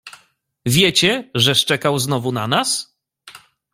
"Wiecie, że szczekał znowu na nas?"